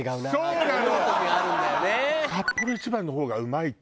そうなのよ！